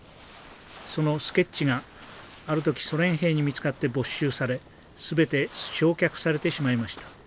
そのスケッチがある時ソ連兵に見つかって没収され全て焼却されてしまいました。